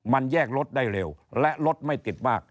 มันแยกรถได้เร็วและรถไม่ติดมาก